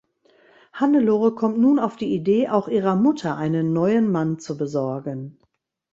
Hannelore kommt nun auf die Idee auch ihrer Mutter einen neuen Mann zu besorgen.